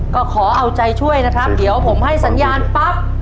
ก็ขอเอาใจช่วยนะครับเดี๋ยวผมให้สัญญาณปั๊บ